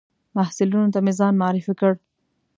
محصلینو ته مې ځان معرفي کړ.